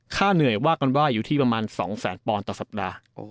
ค่าเหนือยว่ากันว่าอยู่ที่ประมาณ๒๐๐๐๐๐ป่อนต่อสัปดาห์